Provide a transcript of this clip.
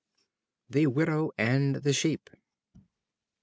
The Widow and the Sheep.